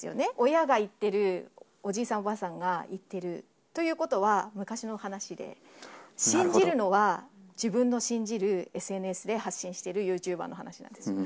親が言ってる、おじいさん、おばあさんが言ってるということは、昔の話で、信じるのは、自分の信じるＳＮＳで発信しているユーチューバーの話なんですよ。